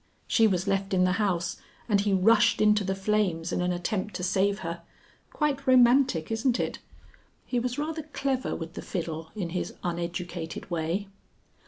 "She was left in the house and he rushed into the flames in an attempt to save her. Quite romantic isn't it? He was rather clever with the fiddle in his uneducated way.